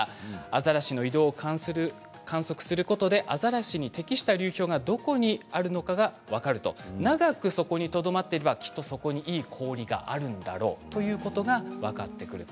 アザラシの移動を観測することでアザラシに適した流氷がどこにあるのか分かる長くそこにとどまっていればそこにきっといい氷があるんだろうということが分かってくる。